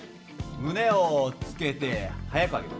胸をつけて速く上げる。